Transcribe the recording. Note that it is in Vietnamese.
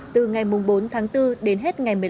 từ ngày bốn tháng bốn đến hết ngày một mươi năm